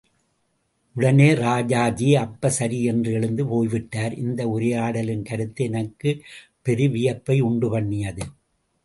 உடனே இராஜாஜி—அப்ப சரி என்று எழுந்து போய்விட்டார் இந்த உரையாடலின் கருத்து—எனக்குப் பெரு வியப்பை உண்டுபண்ணியது.